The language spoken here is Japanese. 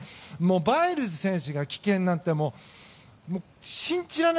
バイルズ選手が棄権なんて信じられない。